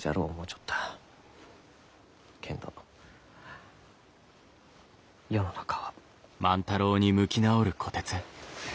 けんど世の中は。